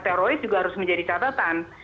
teroris juga harus menjadi catatan